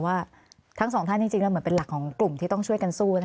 ว่าทั้งสองท่านจริงแล้วเหมือนเป็นหลักของกลุ่มที่ต้องช่วยกันสู้